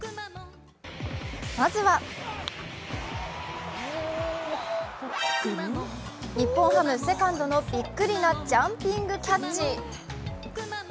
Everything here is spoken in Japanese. まずは、日本ハム・セカンドのびっくりなジャンピングキャッチ。